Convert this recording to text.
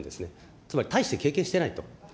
つまり大して経験してないと。